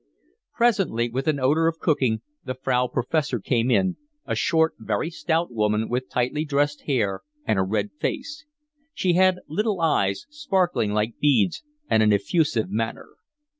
Presently, with an odour of cooking, the Frau Professor came in, a short, very stout woman with tightly dressed hair and a red face; she had little eyes, sparkling like beads, and an effusive manner.